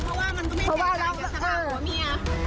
เพราะว่ามันก็ไม่แตกต่างกับสภาขัวเมีย